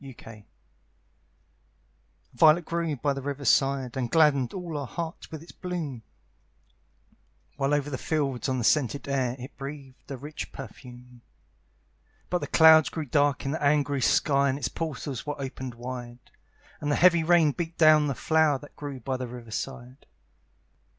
A VIOLET grew by the river side, And gladdened all hearts with its bloom; While over the fields, on the scented air, It breathed a rich perfume. But the clouds grew dark in the angry sky, And its portals were opened wide; And the heavy rain beat down the flower That grew by the river side.